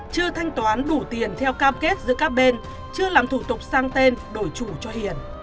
chưa thanh toán đủ tiền theo cam kết giữa các bên chưa làm thủ tục sang tên đổi chủ cho hiền